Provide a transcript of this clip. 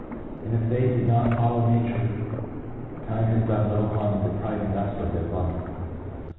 and, if they did not follow nature, time has done little harnx in depriving us of their blunders.